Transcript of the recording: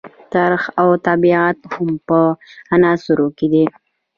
طرح او تطبیق هم په عناصرو کې دي.